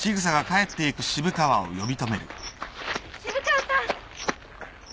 渋川さん！